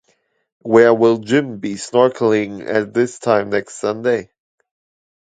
Where will Jim be snorkelling at this time next Sunday?